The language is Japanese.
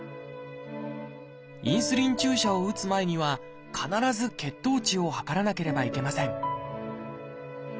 インスリン注射を打つ前には必ず血糖値を測らなければいけません